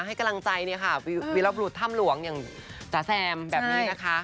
ให้กำลังใจเนี่ยค่ะวิรบรุษถ้ำหลวงอย่างจ๋าแซมแบบนี้นะคะ